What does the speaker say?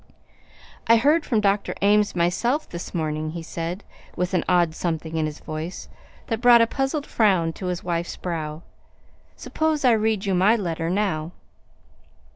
"I heard from Dr. Ames myself, this morning," he said, with an odd something in his voice that brought a puzzled frown to his wife's brow. "Suppose I read you my letter now."